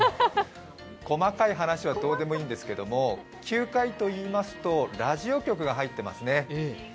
細かい話はどうでもいいんですが９階といいますとラジオ局が入ってますね。